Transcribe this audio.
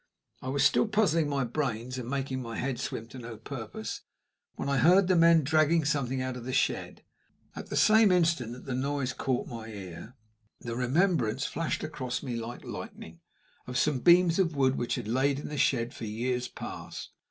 I was still puzzling my brains, and making my head swim to no purpose, when I heard the men dragging something out of the shed. At the same instant that the noise caught my ear, the remembrance flashed across me like lightning of some beams of wood which had lain in the shed for years past.